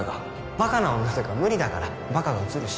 バカな女とか無理だからバカがうつるし